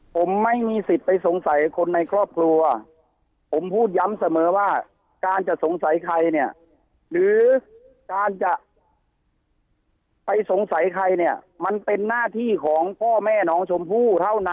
ผมไม่มีสิทธิ์ไปสงสัยคนในครอบครัวผมพูดย้ำเสมอว่าการจะสงสัยใครเนี่ยหรือการจะไปสงสัยใครเนี่ยมันเป็นหน้าที่ของพ่อแม่น้องชมพู่เท่านั้น